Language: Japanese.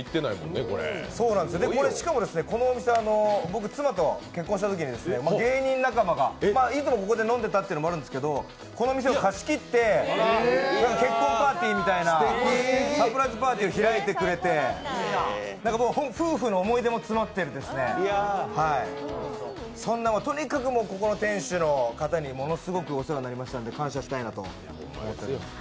しかも、このお店は妻と結婚したときに芸人仲間がいつもここで飲んでたっていうのもあるんですけど、この店を貸し切って結婚パーティーみたいなサプライズパーティーを開いてくれて、夫婦の思い出も詰まってるそんなとにかくここの店主の方にお世話になってるんで感謝したいと思います。